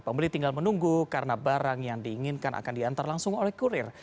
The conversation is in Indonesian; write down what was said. pembeli tinggal menunggu karena barang yang diinginkan akan diantar langsung oleh kurir